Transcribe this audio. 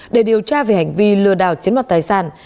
để điều tra về hành vi lừa đảo chiến mặt tài sản